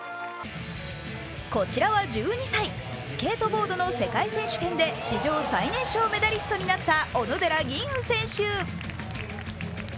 こちらは１２歳スケートボードの世界選手権で史上最年少メダリストになった小野寺吟雲選手。